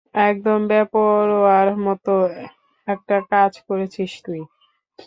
একদম বেপরোয়ার মত একটা কাজ করেছিস তুই।